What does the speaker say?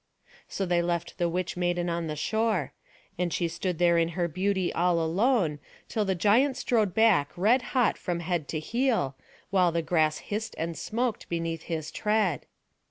So they left the witch maiden on the shore; and she stood there in her beauty all alone, till the giant strode back red hot from head to heel, while the grass hissed and smoked beneath his tread.